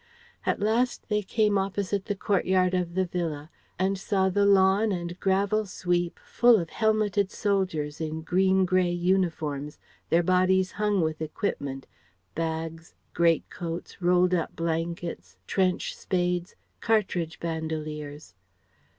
At last they came opposite the courtyard of the Villa and saw the lawn and gravel sweep full of helmeted soldiers in green grey uniform, their bodies hung with equipment bags, great coats, rolled up blankets, trench spades, cartridge bandoliers.